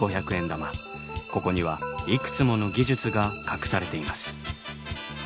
ここにはいくつもの技術が隠されています。